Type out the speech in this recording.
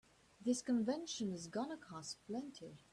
This convention's gonna cost plenty.